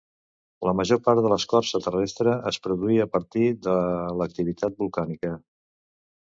La major part de l'escorça terrestre es produí a partir de l'activitat volcànica.